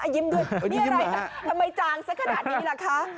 ยิ้มด้วยนี่อะไรทำไมจางสักขนาดนี้ล่ะคะ